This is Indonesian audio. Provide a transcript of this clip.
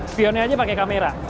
spionnya aja pakai kamera